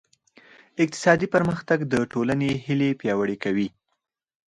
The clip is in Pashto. اقتصادي پرمختګ د ټولنې هیلې پیاوړې کوي.